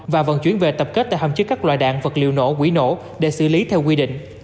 và vận chuyển về tập kết tại hầm trước các loại đạn vật liệu nổ quỹ nổ để xử lý theo quy định